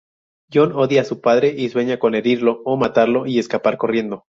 John odia a su padre y sueña con herirlo o matarlo y escapar corriendo.